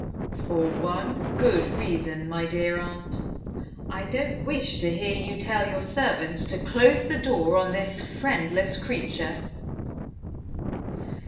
"For one good reason, my dear aunt. I don't wish to hear you tell your servants to close the door on this friendless creature."